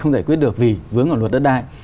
không giải quyết được gì vướng vào luật đất đai